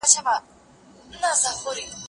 زه بايد پاکوالي وساتم!.